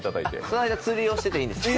その間、釣りをしてていいんですね。